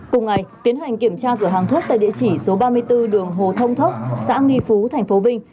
cùng ngày tiến hành kiểm tra cửa hàng thuốc tại địa chỉ số ba mươi bốn đường hồ thông thốc xã nghi phú tp vinh